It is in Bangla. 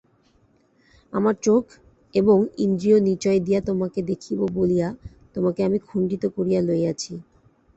আমার চোখ এবং ইন্দ্রিয়নিচয় দিয়া তোমাকে দেখিব বলিয়া তোমাকে আমি খণ্ডিত করিয়া লইয়াছি।